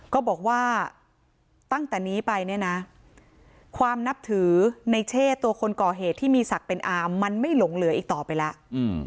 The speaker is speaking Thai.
ก็บอกว่าตั้งแต่นี้ไปเนี่ยนะความนับถือในเช่ตัวคนก่อเหตุที่มีศักดิ์เป็นอามมันไม่หลงเหลืออีกต่อไปแล้ว